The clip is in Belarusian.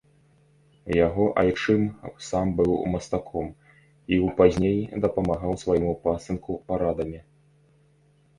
Яго айчым сам быў мастаком, і ў пазней дапамагаў свайму пасынку парадамі.